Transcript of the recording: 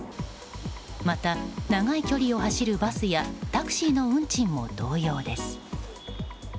また、長い距離を走るバスやタクシーの運賃も同様です。